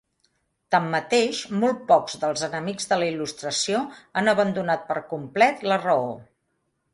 Tanmateix, molt pocs dels enemics de la Il·lustració han abandonat per complet la raó.